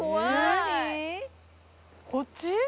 こっち？